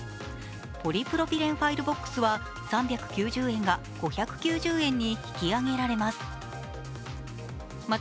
ポリプロピレンファイルボックスは３９０円が５９０円に引き上げられます。